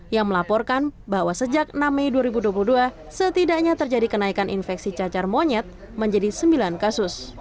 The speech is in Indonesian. yang melaporkan bahwa sejak enam mei dua ribu dua puluh dua setidaknya terjadi kenaikan infeksi cacar monyet menjadi sembilan kasus